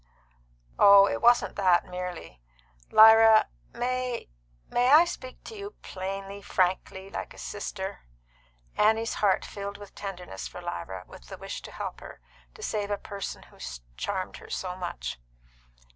"Oh, it wasn't that merely. Lyra, may I may I speak to you plainly, frankly like a sister?" Annie's heart filled with tenderness for Lyra, with the wish to help her, to save a person who charmed her so much.